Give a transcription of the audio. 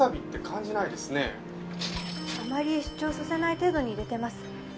あまり主張させない程度に入れてます。